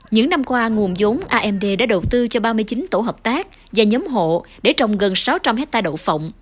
những năm qua nguồn giống amd đã đầu tư cho ba mươi chín tổ hợp tác và nhóm hộ để trồng gần sáu trăm linh hectare đậu phộng